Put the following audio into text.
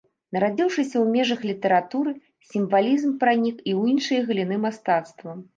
Нарадзіўшыся ў межах літаратуры, сімвалізм пранік і ў іншыя галіны мастацтва.